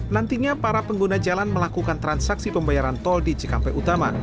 nantinya para pengguna jalan melakukan transaksi pembayaran tol di cikampek utama